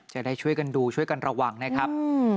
จะได้ช่วยกันดูช่วยกันระวังนะครับ